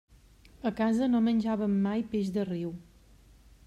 A casa no menjàvem mai peix de riu.